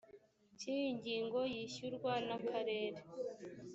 cy iyi ngingo yishyurwa n akarere